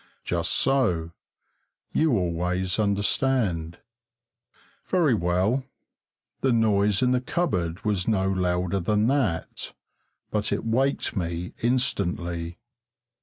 Just so you always understand. Very well, the noise in the cupboard was no louder than that, but it waked me instantly.